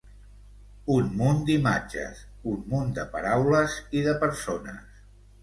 Un munt d'imatges, un munt de paraules i de persones.